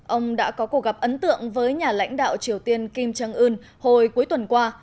ông đã có cuộc gặp ấn tượng với nhà lãnh đạo triều tiên kim jong un hồi cuối tuần qua